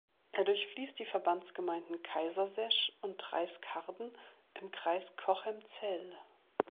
Er durchfließt die Verbandsgemeinden Kaisersesch und Treis-Karden im Kreis Cochem-Zell.